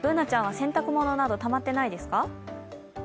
Ｂｏｏｎａちゃんは洗濯物などたまってないですか？